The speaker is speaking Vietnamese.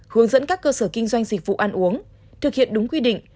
hướng dẫn các cơ sở kinh doanh dịch vụ ăn uống thực hiện đúng quy định